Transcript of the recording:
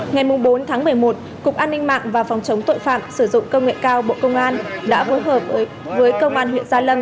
ngày bốn tháng một mươi một cục an ninh mạng và phòng chống tội phạm sử dụng công nghệ cao bộ công an đã phối hợp với công an huyện gia lâm